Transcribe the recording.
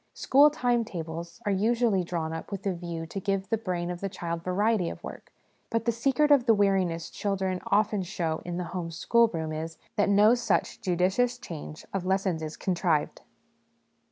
School time tables are usually drawn up with a view to give the brain of the child variety of work ; but the secret of the weariness children often show in the home schoolroom is, that no such judicious change of lessons is contrived.